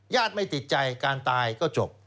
ไม่ติดใจการตายก็จบ